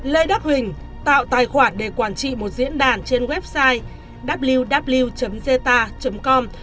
lê đắc huỳnh tạo tài khoản để quản trị một diễn đàn trên website www zeta com